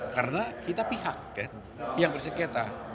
karena kita pihak yang bersengketa